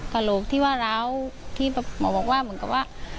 กระโหลกที่ว่าร้าวที่หมอบอกว่าเหมือนกับว่า